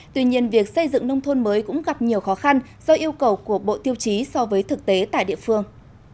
tuy nhiên việc xây dựng nông thôn mới cũng gặp nhiều khó khăn do yêu cầu của bộ tiêu chí so với thực tế tại địa phương